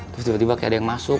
terus tiba tiba kayak ada yang masuk